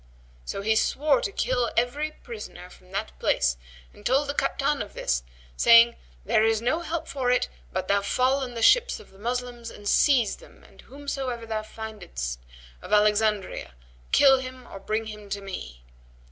So he swore to kill every prisoner from that place and told the Kaptan of this, saying, 'There is no help for it but thou fall on the ships of the Moslems and seize them and whomsoever thou findest of Alexandria, kill him or bring him to me.'